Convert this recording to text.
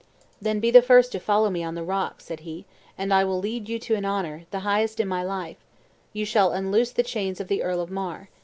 "Then be the first to follow me on the rock," said he, "and I will lead you to an honor, the highest in my gift; you shall unloose the chains of the Earl of Mar!